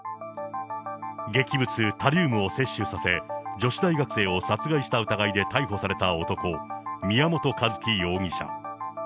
劇物、タリウムを摂取させ、女子大学生を殺害した疑いで逮捕された男、宮本一希容疑者。